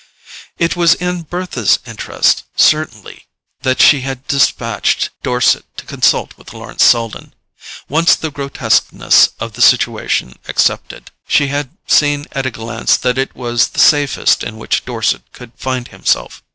It was in Bertha's interest, certainly, that she had despatched Dorset to consult with Lawrence Selden. Once the grotesqueness of the situation accepted, she had seen at a glance that it was the safest in which Dorset could find himself.